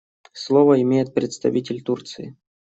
Слово имеет представитель Турции.